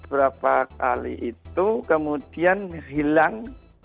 berapa kali itu kemudian hilang